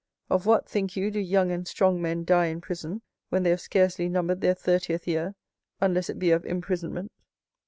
"Of what, think you, do young and strong men die in prison, when they have scarcely numbered their thirtieth year, unless it be of imprisonment?"